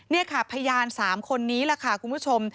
นี่ค่ะพยาน๓คนนี้แหละค่ะคุณผู้ชม